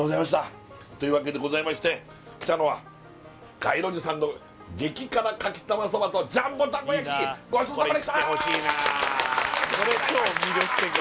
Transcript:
うめえなあっというわけでございまして来たのは街路樹さんの激辛かきたまそばとジャンボたこ焼き聞こえてます